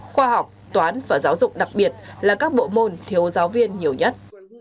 khoa học toán và giáo dục đặc biệt là các bộ môn thiếu giáo viên nhiều nhất